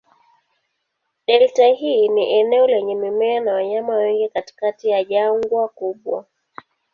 Delta hii ni eneo lenye mimea na wanyama wengi katikati ya jangwa kubwa.